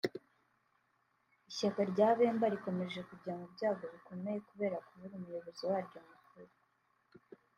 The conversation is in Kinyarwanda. Ishyaka rya Bemba rikomeje kujya mu byago bikomeye kubera kubura umuyobozi waryo mukuru